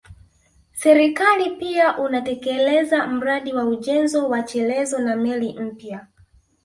Serikali pia unatekeleza mradi wa ujenzi wa chelezo na meli mpya